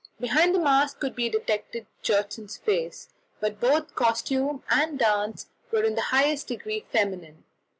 Behind the mask could be detected Gjertsen's face, but both costume and dance were in the highest degree feminine.